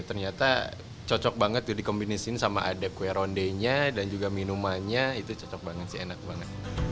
ternyata cocok banget dikombinasiin sama ada kue rondenya dan juga minumannya itu cocok banget sih enak banget